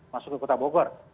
masuk ke kota bogor